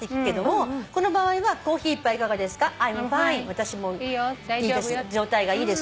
「私も状態がいいです」と。